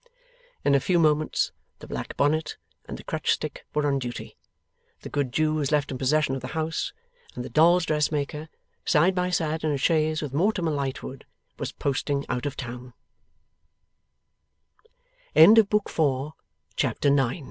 In a few moments the black bonnet and the crutch stick were on duty, the good Jew was left in possession of the house, and the dolls' dressmaker, side by side in a chaise with Mortimer Lightwood, was posting out of t